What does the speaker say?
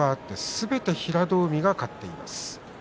すべて平戸海が勝っています。